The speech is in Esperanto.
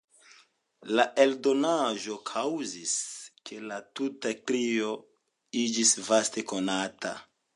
La eldonaĵo kaŭzis, ke la tuta trio iĝis vaste konata.